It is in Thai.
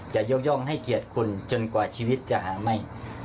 ยกย่องให้เกียรติคุณจนกว่าชีวิตจะหาไม่